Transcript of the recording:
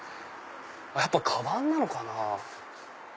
やっぱカバンなのかな？